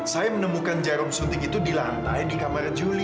saya menemukan jarum suntik itu di lantai di kamar juli